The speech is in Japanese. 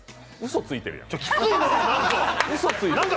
嘘ついてるやん。